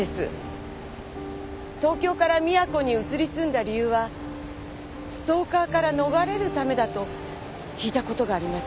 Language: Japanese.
東京から宮古に移り住んだ理由はストーカーから逃れるためだと聞いた事があります。